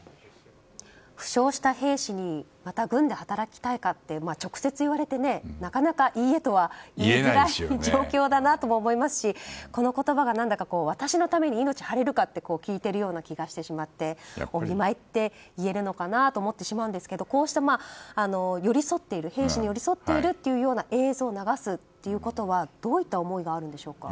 負傷した兵士にまた軍で働きたいかって直接、言われてなかなか、いいえとは言いづらい状況だなと思いますしこの言葉が何だか私のために命を張れるかと聞いているような気がしてしまってお見舞いって言えるのかなと思ってしまうんですがこうした、兵士に寄り添っている映像を流すということはどういう思いがあるんでしょうか。